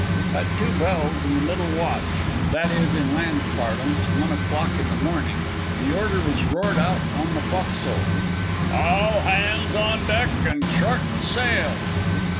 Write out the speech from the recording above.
At two bells in the middle watch that is, in land parlance one o'clock in the morning the order was roared out on the fo'castle: "All hands on deck and shorten sail!"